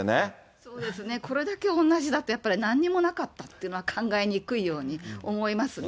そうですね、これだけ同じだと、やっぱりなんにもなかったっていうのは考えにくいように思いますね。